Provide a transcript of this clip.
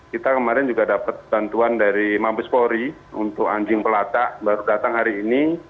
kita kemarin juga dapat bantuan dari mabespori untuk anjing pelacak baru datang hari ini